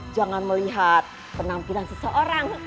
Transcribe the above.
jangan melihat penampilan seseorang